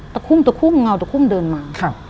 คุ่มตะคุ่มเงาตะคุ่มเดินมา